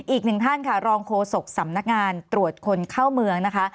อีกหนึ่งท่านค่ะรองโฆษกสำนักงานตรวจคนเข้าเมืองนะคะ